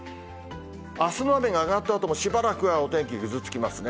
あすの雨が上がったあともしばらくはお天気、ぐずつきますね。